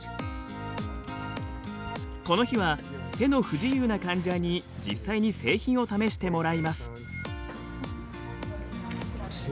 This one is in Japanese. この日は手の不自由な患者に実際に製品を試してもらいます。